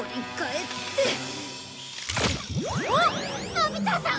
のび太さん。